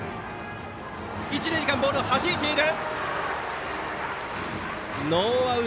一塁間、ボールをはじいている。